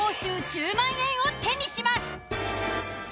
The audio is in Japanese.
１０万円を手にします。